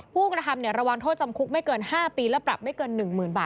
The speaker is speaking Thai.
ผู้กระทำระวังโทษจำคุกไม่เกิน๕ปีและปรับไม่เกิน๑๐๐๐บาท